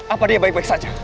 apa dia baik baik saja